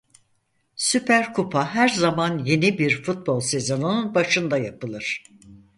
Süper Kupa her zaman yeni bir futbol sezonunun başında yapılır.